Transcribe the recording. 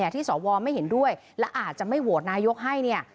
ที่สวไม่เห็นด้วยและอาจจะไม่โหวตนายกให้เนี่ย